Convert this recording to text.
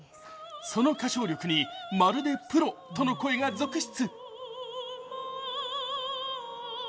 その歌唱力にまるでプロとの声が続出。